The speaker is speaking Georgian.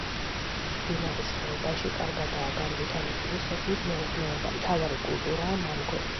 მდინარის ხეობაში კარგადაა განვითარებული სოფლის მეურნეობა, მთავარი კულტურაა მანგო.